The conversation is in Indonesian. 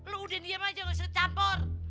lo udah diem aja gak usah campur